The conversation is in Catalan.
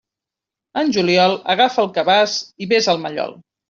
En juliol, agafa el cabàs i vés al mallol.